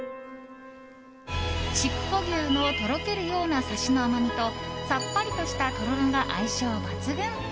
筑穂牛のとろけるようなサシの甘みとさっぱりとしたとろろが相性抜群。